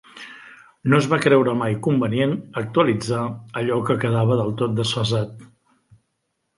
No es va creure mai convenient actualitzar allò que quedava del tot desfasat.